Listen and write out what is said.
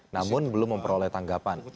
namun belum memperoleh tanggapan